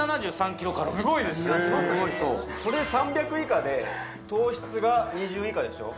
すごいですこれ３００以下で糖質が２０以下でしょ